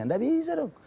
tidak bisa dong